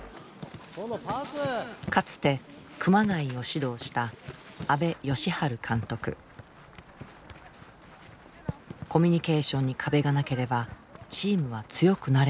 かつて熊谷を指導したコミュニケーションに壁がなければチームは強くなれると考えてきた。